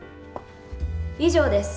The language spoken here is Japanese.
以上です。